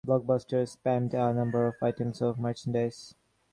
"Blockbusters" spawned a number of items of merchandise.